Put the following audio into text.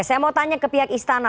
saya mau tanya ke pihak istana